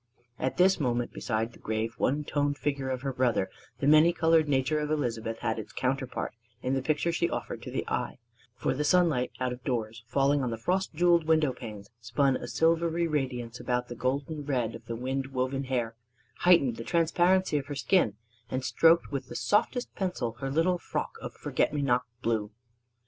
At this moment beside the grave one toned figure of her brother the many colored nature of Elizabeth had its counterpart in the picture she offered to the eye; for the sunlight out of doors falling on the frost jewelled window panes spun a silvery radiance about the golden red of the wind woven hair, heightened the transparency of her skin, and stroked with softest pencil her little frock of forget me not blue.